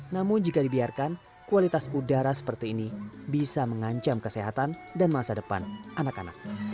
namun jika dibiarkan kualitas udara seperti ini bisa mengancam kesehatan dan masa depan anak anak